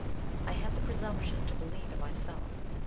I had the presumption to believe in myself.